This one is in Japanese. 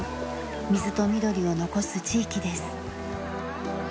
水と緑を残す地域です。